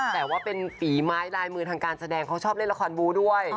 แต่ว่าเป็นฝีไม้ลายมือทางการแสดงเขาชอบเล่นละครบูด้วย